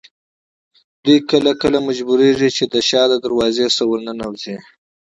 دوی کله کله مجبورېږي چې له شا دروازې ورننوځي.